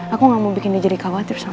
aku gak mau bikin dia jadi khawatir sama